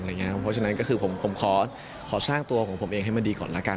เพราะฉะนั้นก็คือผมขอสร้างตัวของผมเองให้มันดีก่อนละกัน